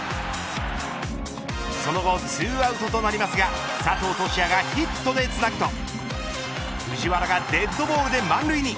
その後２アウトとなりますが佐藤都志也がヒットでつなぐと藤原がデッドボールで満塁に。